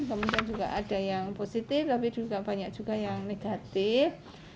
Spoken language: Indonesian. kemudian juga ada yang positif tapi juga banyak juga yang negatif